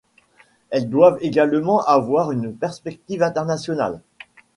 Elles doivent également avoir une perspective internationale.